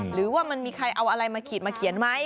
หรือว่ามันมีใครเอาอะไรมาขีดมาเขียนไหม